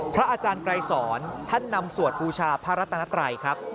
พระอาจารย์ไกรสอนท่านนำสวดบูชาพระรัตนไตรครับ